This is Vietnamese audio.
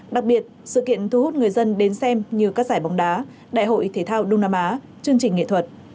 đặc biệt sự kiện thu hút người dân đến xem như các giải bóng đá đại hội thể thao đông nam á chương trình nghệ thuật